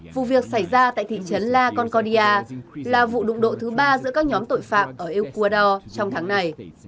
vụ việc xảy ra tại thị trấn la congornia là vụ đụng độ thứ ba giữa các nhóm tội phạm ở ecuador trong tháng này